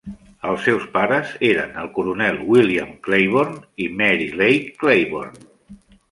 Els seus pares eren el coronel William Claiborne i Mary Leigh Claiborne.